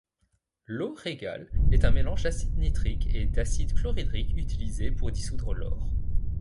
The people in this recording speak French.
L'eau régale est un mélange d'acide nitrique et d'acide chlorhydrique utilisé pour dissoudre l'or.